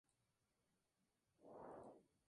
Se puede uno bañar de mayo a octubre.